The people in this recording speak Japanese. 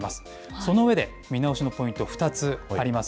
その上で、見直しのポイント、２つあります。